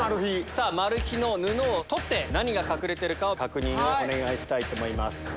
さぁマル秘の布を取って何が隠れてるかを確認お願いしたいと思います。